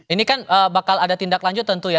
ini kan bakal ada tindak lanjut tentu ya